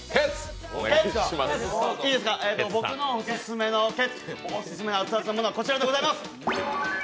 僕のオススメのアツアツなものはこちらでございます。